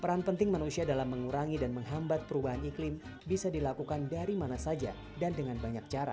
peran penting manusia dalam mengurangi dan menghambat perubahan iklim bisa dilakukan dari mana saja dan dengan banyak cara